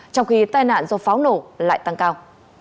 trong khi tai nạn do pháo nổ lại tăng cao